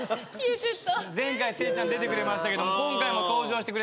前回せいちゃん出てくれたけど今回も登場してくれて。